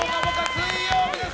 水曜日です！